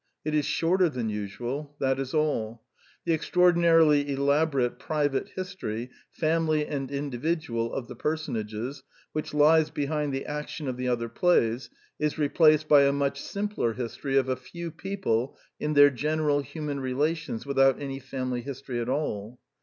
It is shorter than usual : that is all. The extraordi narily elaborate private history, family and indi vidual, of the personages, which lies behind the action of the other plays, is replaced by a much simpler history of a few people in their general human relations without any family history at all.